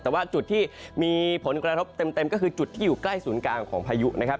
แต่ว่าจุดที่มีผลกระทบเต็มก็คือจุดที่อยู่ใกล้ศูนย์กลางของพายุนะครับ